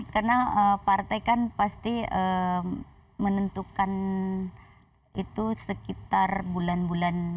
karena partai kan pasti menentukan itu sekitar bulan bulan